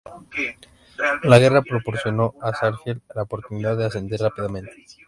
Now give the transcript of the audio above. La guerra proporcionó a Sarsfield la oportunidad de ascender rápidamente.